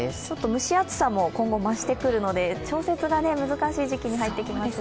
蒸し暑さも今後増してくるので調節が難しい時期に入ってきます。